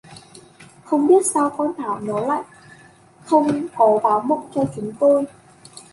Không biết Sao con Thảo nó lại không có báo mộng cho chúng tôi